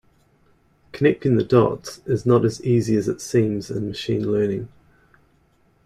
Connecting the dots, is not as easy as it seems in machine learning.